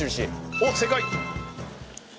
おっ正解。